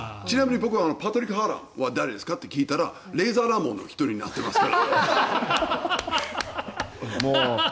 ちなみに僕はパトリック・ハーランは誰ですかと聞いたらレイザーラモンの１人になっていますから。